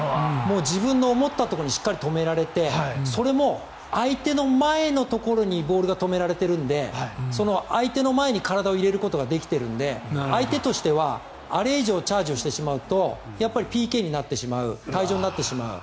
自分の思ったところにしっかり止められてそれも相手の前のところにボールが止められているので相手の前に体を入れることができてるんで相手としてはあれ以上チャージをしてしまうとやっぱりＰＫになってしまう退場になってしまう。